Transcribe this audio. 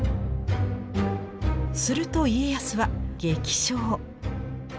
すると家康は激賞。